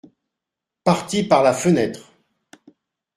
Parti par la fenêtre.